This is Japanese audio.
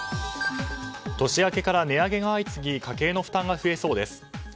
年明けから値上げが相次ぎ家計の負担が増えそうです。